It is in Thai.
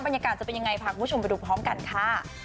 จะเป็นยังไงพาคุณผู้ชมไปดูพร้อมกันค่ะ